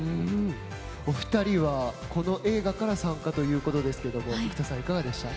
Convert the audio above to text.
お二人は、この映画から参加ということですがいかがでしたか？